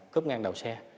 cúp ngang đầu xe